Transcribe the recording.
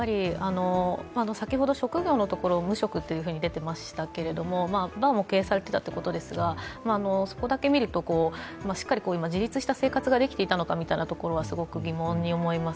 先ほど、職業のところを無職とありましたが、バーも経営されていたということですが、そこだけ見るとしっかり自立した生活ができていたのかというところは疑問に思います。